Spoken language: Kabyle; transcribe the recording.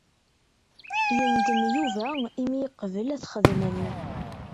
Yendem Yuba i mi yebqel ad t-xedmen.